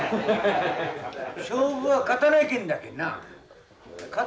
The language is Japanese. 勝負は勝たないけんだけんな。